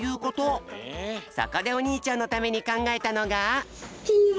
そこでおにいちゃんのためにかんがえたのが。